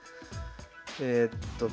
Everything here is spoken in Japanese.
えっと９。